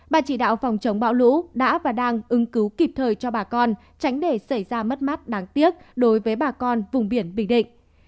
bà chỉ đạo phòng chống bão lũ đã và đang ứng cứu kịp thời cho bà con tránh để xảy ra mất mát đáng tiếc đối với bà con vùng biển bình định